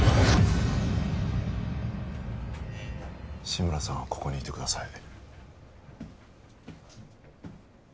志村さんはここにいてください